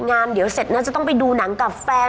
งานเดี๋ยวเสร็จน่าจะต้องไปดูหนังกับแฟน